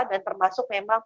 dan termasuk memang